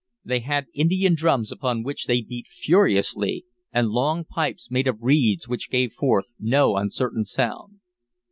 They had Indian drums upon which they beat furiously, and long pipes made of reeds which gave forth no uncertain sound.